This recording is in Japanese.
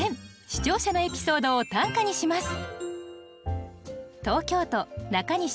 視聴者のエピソードを短歌にします。